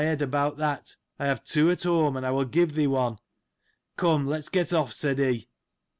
Do not trouble thy head about that : I have two at home, and I will give thee one. Come let's get off, said he.